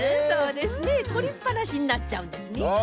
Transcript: そうですねとりっぱなしになっちゃうんですね。